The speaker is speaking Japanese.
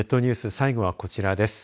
最後はこちらです。